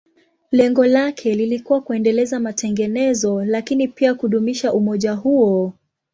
Lengo lake lilikuwa kuendeleza matengenezo, lakini pia kudumisha umoja huo.